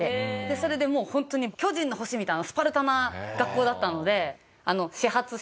それでもうホントに『巨人の星』みたいなスパルタな学校だったので。